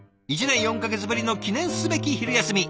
１年４か月ぶりの記念すべき昼休み。